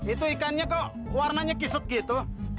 itu ikannya kok warnanya kiset gitu